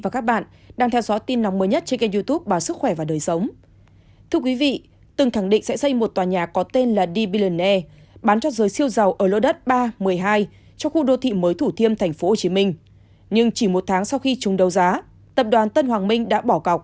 các bạn hãy đăng ký kênh để ủng hộ kênh của chúng mình nhé